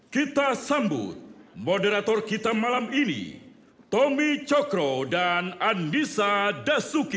kita sambut moderator kita malam ini tommy cokro dan andisa dasuki